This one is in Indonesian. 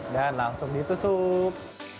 dan langsung ditusuk